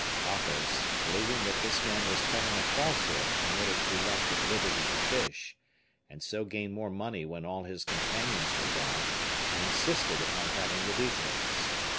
Athos, believing that this man was telling a falsehood in order to be left at liberty to fish, and so gain more money when all his companions were gone, insisted upon having the details.